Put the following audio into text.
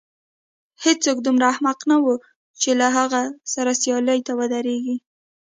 هېڅوک دومره احمق نه و چې له هغه سره سیالۍ ته ودرېږي.